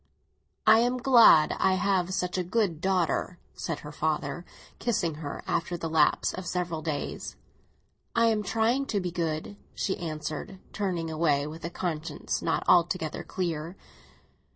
"I am glad I have such a good daughter," said her father, kissing her, after the lapse of several days. "I am trying to be good," she answered, turning away, with a conscience not altogether clear.